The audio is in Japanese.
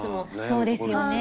そうですよね。